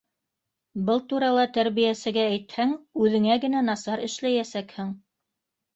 Был турала тәрбиәсегә әйтһәң, үҙеңә генә насар эшләйәсәкһең.